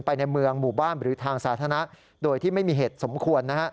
ในเมืองหมู่บ้านหรือทางสาธารณะโดยที่ไม่มีเหตุสมควร